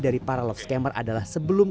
dari para love scammer adalah sebelum